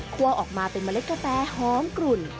คั่วออกมาเป็นมะเล็กกาแฟหอมกลุ่น